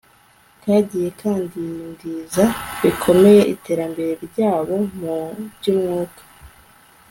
kagiye kadindiza bikomeye iterambere ryabo mu byumwuka